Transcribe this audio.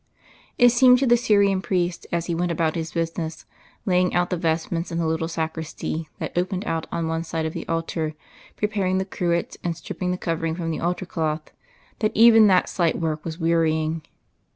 It seemed to the Syrian priest as he went about his business laying out the vestments in the little sacristy that opened out at one side of the altar, preparing the cruets and stripping the covering from the altar cloth that even that slight work was wearying.